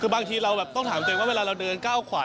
คือบางทีเราแบบต้องถามตัวเองว่าเวลาเราเดินก้าวขวา